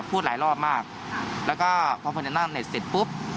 พูดหลายรอบมากแล้วก็พอจะนั่งเน็ตเสร็จปุ๊บ